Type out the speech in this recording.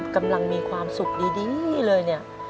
กำลังมีความสุขดีเลยเนี่ย